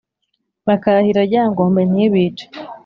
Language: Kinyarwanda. bakarahira ryangombe ntibice.